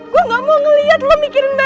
gue gak mau ngeliat lo mikirin bening terus